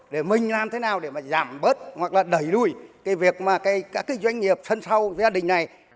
để mình làm thế nào để mà giảm bớt hoặc là đẩy lùi cái việc mà các cái doanh nghiệp sân sâu gia đình này